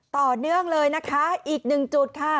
ต่อเนื่องเลยนะคะอีกหนึ่งจุดค่ะ